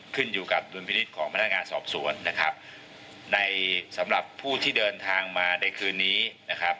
ขึ้นอยู่กับดุลพินิษฐ์ของพนักงานสอบสวนนะครับในสำหรับผู้ที่เดินทางมาในคืนนี้นะครับ